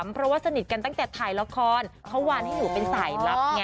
เพราะว่าสนิทกันตั้งแต่ถ่ายละครเขาวานให้หนูเป็นสายลับไง